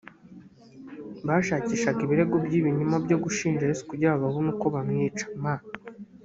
bashakishaga ibirego by ibinyoma byo gushinja yesu kugira ngo babone uko bamwica m